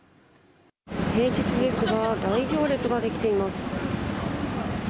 平日ですが、大行列が出来ています。